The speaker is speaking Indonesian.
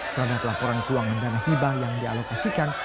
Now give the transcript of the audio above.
terhadap laporan keuangan dana hibah yang dialokasikan